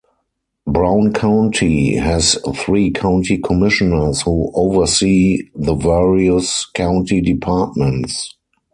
Brown County has three County Commissioners who oversee the various County departments.